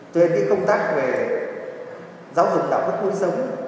cho nên những công tác về giáo dục đạo đức nổi giống